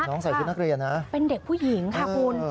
น้องใส่รุ่นนักเรียนเป็นเด็กผู้หญิงค่ะคุณ